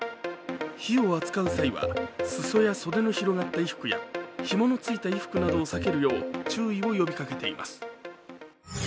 火を扱う際は裾や袖の広がった衣服やひものついた衣服などを避けるよう注意を呼びかけています。